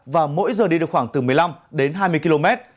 và mỗi giờ đi được khoảng từ một mươi năm đến hai mươi km